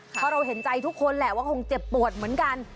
เพราะเราเห็นใจทุกคนแหละว่าคงเจ็บปวดเหมือนกัน